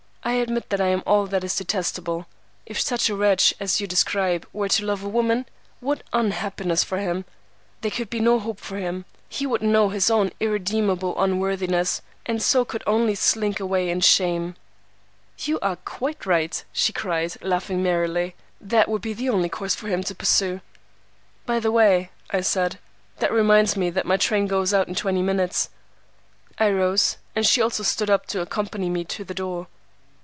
I admit that I am all that is detestable. If such a wretch as you describe were to love a woman, what unhappiness for him! There could be no hope for him. He would know his own irredeemable unworthiness, and so could only slink away in shame.' "'You are quite right,' she cried, laughing merrily. 'That would be the only course for him to pursue.' "'By the way,' I said, 'that reminds me that my train goes out in twenty minutes.' "I rose, and she also stood up to accompany me to the door.